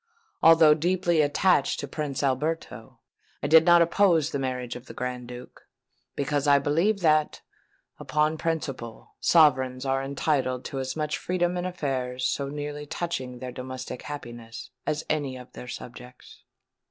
Although deeply attached to Prince Alberto, I did not oppose the marriage of the Grand Duke; because I believed that, upon principle, sovereigns are entitled to as much freedom in affairs so nearly touching their domestic happiness, as any of their subjects.